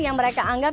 yang mereka anggap